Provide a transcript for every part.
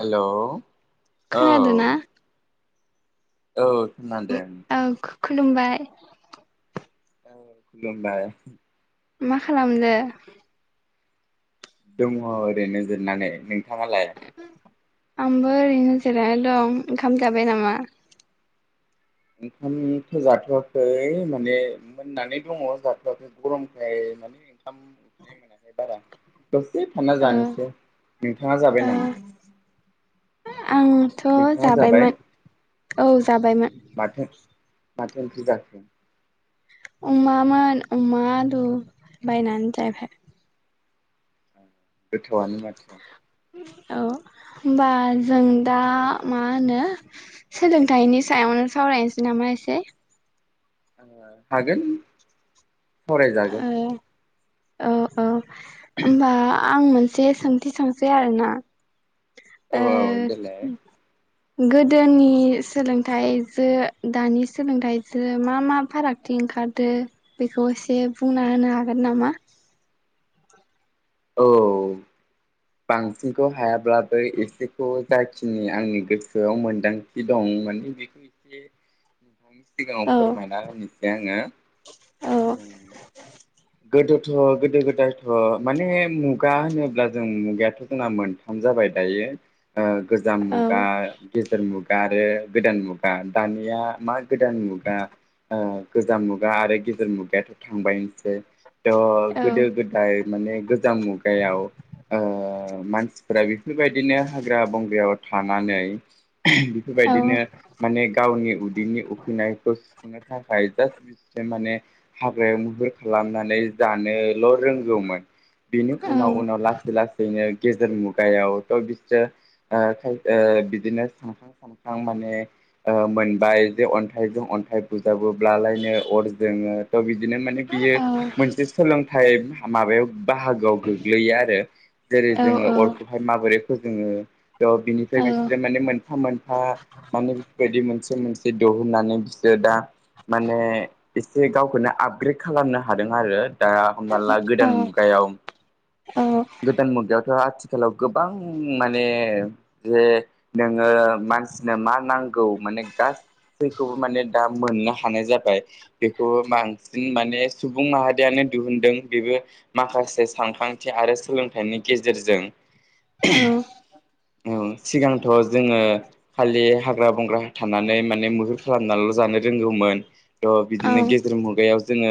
Hello खोनादोना औ औ खोनादों। औ खुलुमबाय। औ खुलुमबाय मा खालामदो? दङ ओरैनो जिरायनानै नों नोंथाङा लाय? आंबो ओरैनो जिराया दं ओंखाम जाबाय नामा? ओंखामथ' जाथ'आाखै माने मोननानै दङ जाथ'आाखै गरमखाय माने ओंखाम उखैनाय मोनाखै बारा। दसे थानना ओ जानोसै नोंथाङा ओ जाबाय नामा? आंथ' नोंथाङा जाबाय जाबायमोन औ जाबायमोन। माथो माथो ओंख्रि जाखो अमामोन अमा दु बायनानै जाबाय। गोथावआनो माथो। औ होनबा जों दा। मा होनो सोलोंथाइनि सायावनो सावरायनोसै नामा एसे। हागोन। सावराय जागोन ओ औ औ ओमबा। आं मोनसे सोंथि सोंसै आरोना। औ औ देलाय ओ गोदोनि सोलोंथाइजो दानि सोलोंथाइजो मा मा फारागथि ओंखारदो बेखौ एसे बुंना होनो हागोन नामा? औ बांसिनखौ हायाब्लाबो एसेखौ जाखिनि आंनि गोसोआव मोनदांथि दं माने बेखौ एसे। मिग औ म द मिसे आङो औ उम गोदोथ' गोदो गोदायथ' माने मुगा होनोब्ला जों मुगायाथ' जोंना मोनथाम जाबाय दायो। गोजाम औ मुगा गेजेर मुगा मुगा आरो गोदान मुगा दानिया मा गोदान मुगा गोजाम मुगा आरो गेजेर मुगायाथ' थांबायनोसै। थ' औ गोदो गोदाय माने गोजां मुगायाव मानसिफोरा बेफोरबायदिनो हाग्रा बंगायाव थानानै औ बेफोरबायदिनो माने गावनि उदैनि उखैनायखौ सुख'नो थाखाय जास्ट बि माने हाग्रायाव मुहुर खालामनाय। जानोल' रोंगौमोन बिनि औ उनाव उनाव लासै लासैनो गेजेर मुगायाव थ' बिसोरो ओ बिदिनो सानखां सानखां माने मोनबाय जे अन्थाइजों अन्थाइ बुजाबोब्लालायनो अर जोङो थ' बिदिनो माने बियो। औ मोनसे सोलोंथाइ माबायाव बाहागोआव गोग्लैयो आरो जेरै जोङो अरखौहाय माबोरै फोजोङो थ' बिनिफ्राय औ बिसोरो माने मोनफा मोनफा माने बेफोरबायदि मोनसे मोनसे दिहुननानै बिसोरो दा माने एसे गावखौनो आपग्रेड खालामनो हादों आरो दा हना ला गोदान मुगायाव गोदान मुगायावथ' आथिखालाव गोबां माने जे नोङो मानसिनो मा नांगौ माने गासैखौबो माने दा मोननो हानाय जाबाय बेखौ बांसिन माने सुबुं माहारियानो दिहुनदों बेबो माखासे सानखांथि आरो सोलोंथाइनि गेजेरजों औ [unintelligible] औ सिगांथ' जोङो खालि हाग्रा बंग्रा थानानै माने मैहुर खालामनानैल' जानो रोंगौमोन थ' बिदिनो औ गेजेर मुगायाव जोङो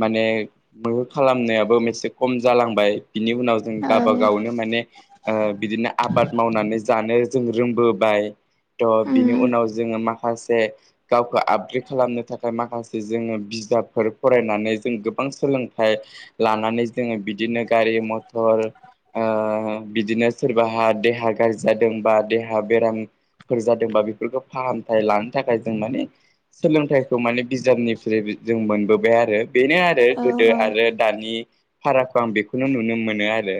माने मैहुर खालामनायाबो मोनसे खम जालांबाय बिनि उनाव जों गावबा औ गावनो माने ओ बिदिनो आबाद मावनानै जानो जों रोंबोबाय थह बिनि उम उनाव जोङो माखासे गावखौ आपग्रेड खालामनो थाखाय माखासे जोङो बिजाबफोर फरायनानै जों गोबां सोलोंथाइ लानानै जोङो बिदिनो गारि मथर ओ बिदिनो सोरबाहा दे हा गाज्रि जादों बा देहा बेरामफोर जादोंबा बेफोरखौ फाहामथाय लानो थाखाय जों माने सोलोंथाइखौ माने बिजाबनिख्रुइ जों मोनबोबाय आरो बेनो आरो औ गोदो आरो दानि फारागखौ आं बेखौनो नुनो मोनो आरो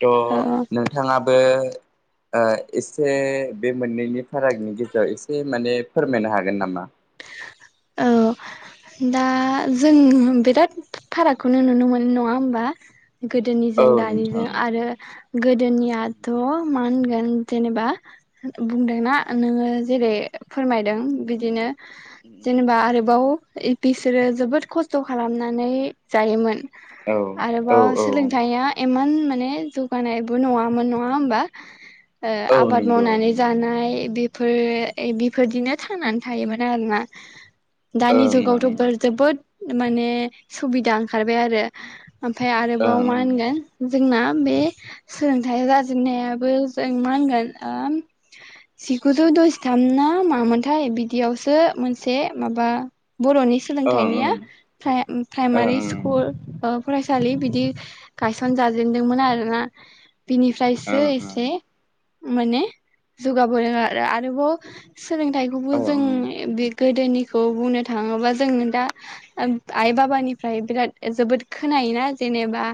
थ' औ औ नोंथाङाबो [inaudible] ओ एसे बे मोननैनि फारागनि गेजेराव एसे माने फोरमायनो हागोन नामा औ दा जों बिराद फारागखौनो नुनो मोनो नङा होमबा औ गोदोनिजों नोंथां दानिजों आरो गोदोनियाथ' मा होनगोन जेनेबा बुंदोंना नोङो जेरै फोरमायदों बिदिनो जेनेबा आरोबाव बिसोरो जोबोद खस्थ' खालामनानै जायोमोन औ औ आरोबाव औ सोलोंथाइया इमान माने जौगानायबो नङामोन नङा होमबा ओ औ आबाद नंगौ मावनानै जानाय बे फोर बेफोरबादिनो थांनानै थायोमोन आरोना दानि ओं जु ओं गावथ' जोबोद माने सुबिदा ओंखारबाय आरो ओमफ्राय आरोबाव मा ओं होनगोन जोंना बे सोलोंथाइ जाजेननायाबो जों मा होनगोन ओ जिगुजौ द'जिथाम ना मामोनथाय बिदियावसो मोनसे माबा बर'नि ओं सोलोंथाइनिया ओं प्राइ ओं प्राइमारि स्कुल ओ फरायसालि बिदि गायसन जाजेेनदोंमोन आरोना बिनिफ्रायसो ओं एसे माने जौगाबोदों आरोबाव ओं सोलोंथाइखौबो जों ओं बे गोदोनिखौ बुंनो थाङोबा जों दा आइ बाबानिफ्राय बिराद जोबोद खोनायोना जेनेबा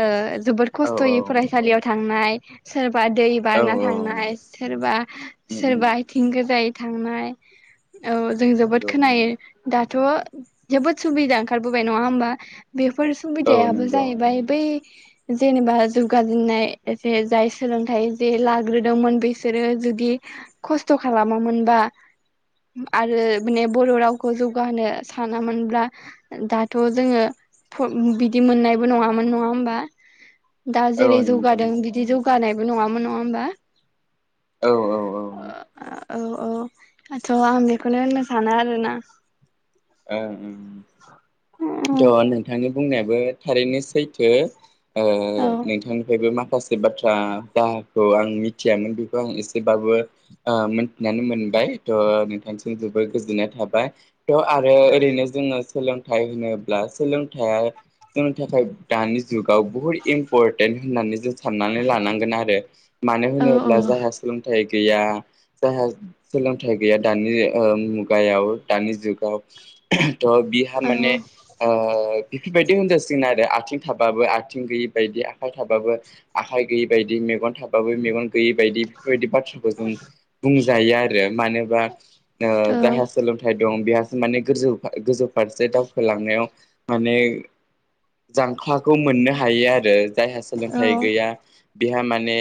ओ जोबोद औ खस्थ'यै फरायसालियाव थांनाय सोर सोरबा दै औ बारना थांनाय उम सोरबा उम सोरबा आथिं गोजायै थांनाय औ जों जोबोद नंगौ खोनायो। नंगौ दाथ' जोबोद सुबिदा ओंखारबोबाय नङा होमबा? बेफोर औ सुबिदायाबो नंगौ जाहैबाय बै जेनेबा जौगाजेननाय एसे जाय सोलोंथाइ जे लाग्रोदोंमोन बिसोरो जुदि खस्थ' खालामोमोनबा आरो उम उम माने बर' राव खौ जौगाहोनो सानामोनब्ला दाथ' जोङो बिदि मोननायबो नङामोन नङा होमबा? दा जेरै औ नंगौ जौगादों बिदि जौगानो जौगानायबो नङामोन नङा होमबा? औ औ औ औ औ दाथ' आं बेखौनो होननो सानो आरोना। ओं ओं थ' नोंथांनि बुंनायाबो थारैनो सैथो। ओ औ नोंथांनिफ्रायबो मा माखासे बाथ्रा जखौ आं मिथियामोन बेखौ आं एसेबाबो मिथिनानै मोनबाय थह नोंथांसिम जोबोर गोजोननाय थाबाय थ' आरो ओरैनो जोङो सोलोंथाइ होनोब्ला सोलोंथाइया जोंनि थाखाय दानि जुग आव बहुत इम्पर्टेन्ट होननानै जों साननानै लानांगोन आरो मानो औ औ होनोब्ला जायहा सोलोंथाइ गैया जायहा सोलोंथाइ गैया ओ दानि मुगायाव दानि जुगाव [unintelligible] द बिहा माने औ ओ बेफोरबायदि होनजासिगोन आरो आथिं थाबाबो आथिं गैयै बायदि आखाइ थाबाबो आखाइ गैयि बायदि मेगन थाबाबो मेगन गोयै बायदि बेफोरबायदि बाथ्राखौ जों बुंजायो आरो मानोबा ओ जायहा सोलोंथाइ दं बेहासो माने गोजौ गोजौ फारसे दावखोलांनायाव माने जांख्लाखौ मोननो हायो आरो। जायहा सोलोंथाइ गैया। बेहा माने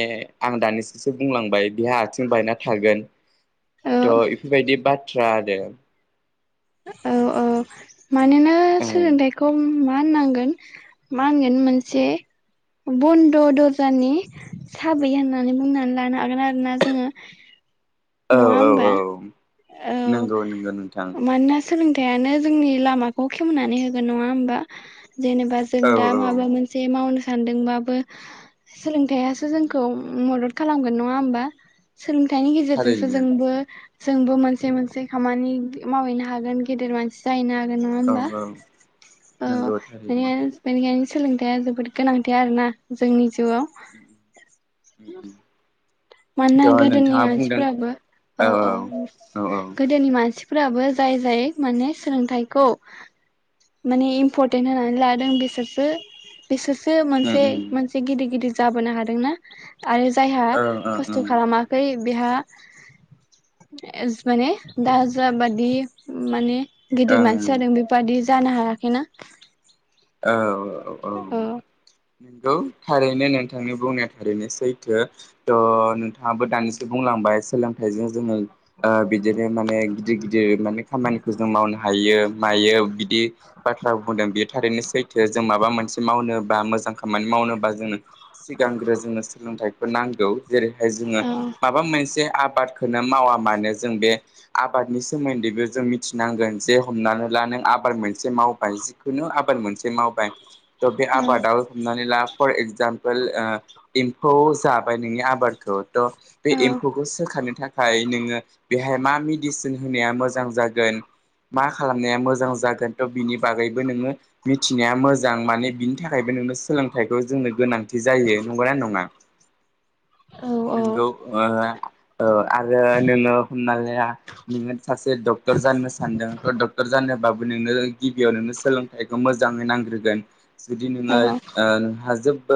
आं दानिसोसो बुंलांबाय। बेहा आथिं बायना थागोन थ' औ इफोरबायदि बाद थ्रा दो औ औ मानोना सोलोंथाइखौ मा होननांगोन मा होनगोन मोनसे बन्द दर्जानि साबि होननानै बुंनानै लानो हागोन आरोना जोङो औ नङा औ होमबा औ नंगौ नंगौ नोंथां। मानो ना सोलों थाइयानो जोंनि लामाखौ खेवनानै होगोन नङा होमबा जेनेबा जों औ दा औ माबा मोनसे मावनो सान्दोंबाबो सोलोंथाइयासो जोंखौ मदद खालामगोन नङा होमबा? सोलोंथाइनि गेजेरजोंसो थारैनो जोंबो जोंबो मोनसे मोनसे खामानि मावहैनो हागोन गेदेर मानसि जाहैनो हा गोन नङा औ होनबा औ ओ नंगौ थारैनो बेनिखायनो बेनिखायनो सोलोंथाइआ जोबोद गोनांथि आरोना जोंनि जिउआव उम उम मानोना गोदोनि मानसिफोराबो औ औ औ गोदोनि मान मानसिफोराबो जाय जाय माने सोलोंथाइखौ माने इम्परटेन्ट होनानै लादों बिसोरसो बिसोरसो ओं मोनसे मोनसे गिदिर गिदिर जाबोनो हादोंना आरो जायहा ओं ओं खस्थ खालामाखै बिहा माने दा जाबादि माने गिदिर मानसि ओं जादों बेबादि जानो हायाखै ना औ औ नोंगौ थारैनो नोंथांनि बुंनाया थारैनो सैथो थ नोंथाङाबो दानिसो बुंलांबाय सोलोंथाइजों जोङो ओ बिदिनो माने गिदिर गिदिर माने खामानिखौ जों मावनो हायो मायो बिदि बाथ्रा बुंदों बेयो थारैनो जों माबा मोनसे मावनोबा मोजां खामानि मावनोबा जों सिगांग्रो जोंनो सोलोंथाइखौ नांगौ। जेरैहाय जोङो औ औ माबा मोनसे आबाद खौनो मावा मानो जों बे आबादनि सोमोन्दैबो जों मिथिनांगोन जे हमना‌ ला नों आबाद मोनसे मावबाय जिखुनु आबाद मोन मावबाय त बे औ आबादाव हमनानै ला फर एक्जामपोल पोल ओ एम्फौ जाबाय नोंनि आबादखौ थ बे एम्फौखौ सोखानो थाखाय नोङो बे बेहाय मा मेडिसिन होनाया मोजां जागोन मा खालामनाया मोजां जागोन। बिनि बागैबो नोङो मोजां माने बिनि थाखायबो नोंनो सोलोंथाइखौ जोंनो गोनांथि जायो नंगौना नङा? [inaudible] औ नोंगौ ओ औ आरो नोङो हमनालाया नोङो सासे डक्टर जानो सानदों थ' डक्टर जानोबाबो नों गिबियाव नोंनो सोलोंथाइ मोजाङै नांग्रोगोन। जुदि नोङो ओ हाजोब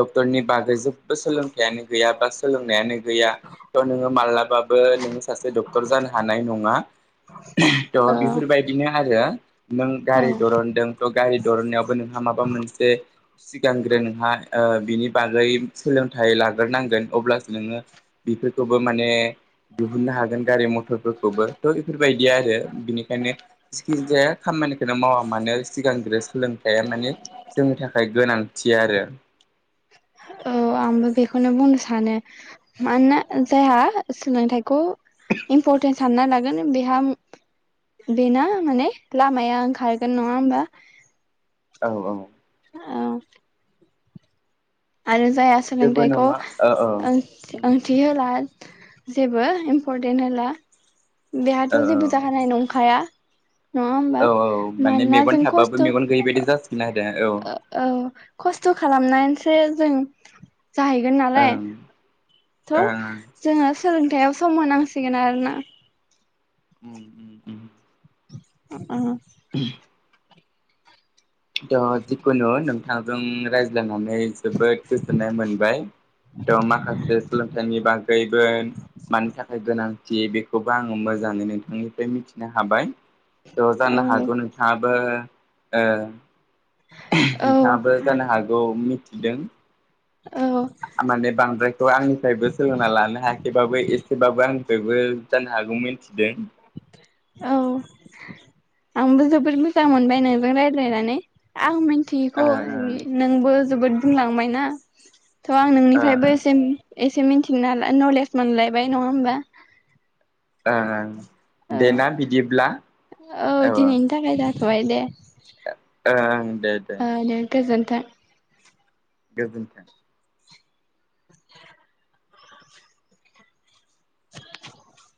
ओ डक्टरनि बागै जेबो सोलोंथाइयानो गैया बा सोलोंनायानो गैया थ' नोङो माब्लाबाबो नोङो सासे डक्टर जानो हानाय नङा थ औ बेफोरबायदिनो आरो नों औ गारि दरनदों थ' गारि दरनायावबो नोंहा माबा मोनसे सिगांग्रो नोंहा बिनि बागै सोलोंथाइ लाग्रोनांगोन अब्लासो नोङो बेफोरखौबो माने दिहुननो हागोन गारि मथर फोरखौबो थ' बेफोरबायदि आरो बिनिखायनो जिखि जाया खामानिखौनो मावा मानो सिगांग्रो सोलोंथाइया माने जोंनि थाखाय गोनांथि आरो औ आंबो बेखौनो बुंनो सानो मानोना जायहा सोलोंथाइखौ इम्परटेन्स सानना लागोन बेहा बेना माने लामाया ओं खारगोन नङा होनबा औ औ [inaudible] आरो जायहा जेबो सोलोंथाइखौ नङा औ औ ओंथि होला जेबो इम्परटेन्ट होला बेहाथ औ जेबो औ जाहानाय नंखाया। नङा होमबा औ माने मानोना मेगन जों थाबाबो खस्थ औ मेगन गैयि बायदि जासिगोन आरो औ खस्थ खालामनानैसो बे जों जाहैगोन नालाय। ओं थ ओं जोङो सोलोंथायाव सम होनांसिगोन आरो ना। उम उम अ [inaudible] दा जिखुनु नों नोंथांजों रायज्लायनानै जोबोद गोजोननाय मोनबाय थ माखासे सोलोंथाइनि बागैबो मानि थाखाय गोनांथि बेखौबो आङो मोजाङै नोंथांनिफ्राय मिथिनो हाबाय। ज जानो हागौ औ नोंथाङाबो ओ नोंथाङाबो जानो हागौ मि दों औ माने बांद्रायखौ आंनिफ्रायबो सोलोंना लानो हायाखैबाबो एसेबाबो आं बयबो दाननो हागौमोन। औ आंबो जोबोद मोजां मोनबाय नोंजों रायज्लायनानै आं मिन ओ मिथियैखौ ओ नोंबो जोबोद बुंलांबाय ना थ आं ओ ओ नोंनिफ्रायबो एसे एसे मिथिनो नालाय नलेज मोनलायबाय नङा होमबा। ओं औ दे ना बिदिब्ला औ। दिनैनि थाखाय जाथबाय दे ओ ओ दे गोजोन [inaudible] गोजोनथों [inaudible] [inaudible]